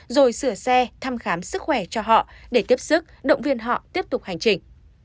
rồi sửa xe thăm khám sức khỏe cho họ để tiếp sức động viên họ tiếp tục hành trình